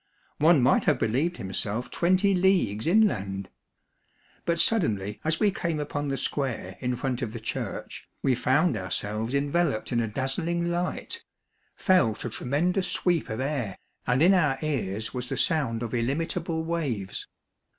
One might have believed him self twenty leagues inland. But suddenly, as we came upon the square in front of the church, we found ourselves enveloped in a dazzling light, felt 284 Monday Tales, a tremendous sweep of air, and in our ears was the sound of illimitable waves.